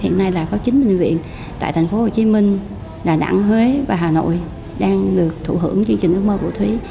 hiện nay là có chín bệnh viện tại thành phố hồ chí minh đà nẵng huế và hà nội đang được thụ hưởng chương trình ước mơ của thúy